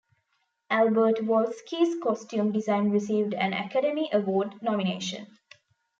Albert Wolsky's costume design received an Academy Award nomination.